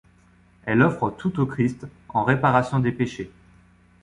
Elle offre tout au Christ en réparation des péchés.